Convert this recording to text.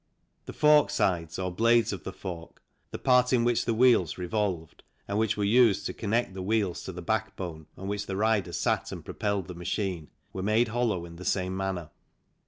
The forksides or blades of the fork, the part in which the wheels revolved and which were used to connect the wheels to the backbone, on which the rider sat and propelled the machine, were made hollow in the same manner.